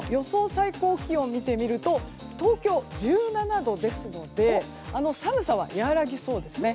最高気温を見ると東京１７度ですので寒さは和らぎそうですね。